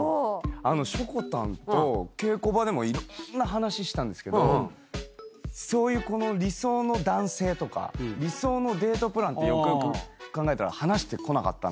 しょこたんと稽古場でもいろんな話したんですけど理想の男性とか理想のデートプランってよくよく考えたら話してこなかったなと。